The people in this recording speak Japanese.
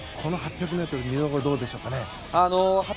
この８００ｍ見どころはどうでしょうか？